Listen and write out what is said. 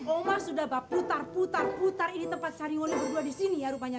oma sudah bapak putar putar putar ini tempat cari wono berdua di sini ya rupanya